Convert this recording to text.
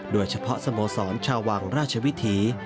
โดยเฉพาะสโมสรชาววังราชวิถี